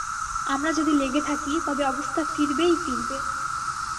আমরা যদি লেগে থাকি, তবে অবস্থা ফিরবেই ফিরবে।